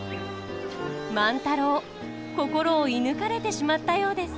万太郎心を射ぬかれてしまったようです。